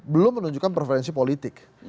belum menunjukkan preferensi politik